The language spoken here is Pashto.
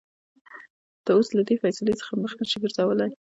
ته اوس له دې فېصلې څخه مخ نشې ګرځولى.